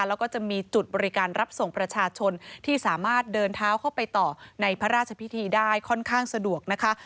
แล้วก็จะมีจุดบริการรับส่งประชาชนที่สามารถเดินเท้าเข้าไปต่อในพระราชพิธีได้ค่อนข้างสะดวกนะคะ